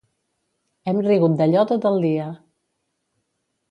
Hem rigut d'allò tot el dia.